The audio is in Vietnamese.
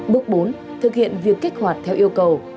bước bốn thực hiện việc kích hoạt theo yêu cầu